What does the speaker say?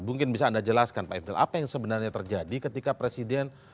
mungkin bisa anda jelaskan pak ifdal apa yang sebenarnya terjadi ketika presiden